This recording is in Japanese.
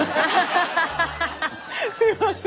すいません